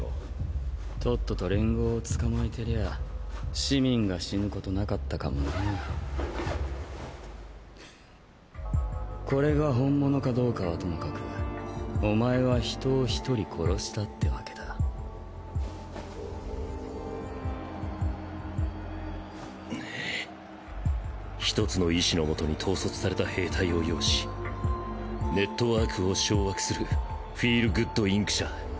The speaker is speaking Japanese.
とっとと連合を捕まえてりゃ市民が死ぬことなかったかもなァこれが本物かどうかはともかくおまえは人を１人殺したってわけだひとつの意志の下に統率された兵隊を擁しネットワークを掌握するフィール・グッド・インク社。